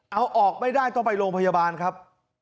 เอาออกไม่ได้ต้องไปโรงพยาบาลครับ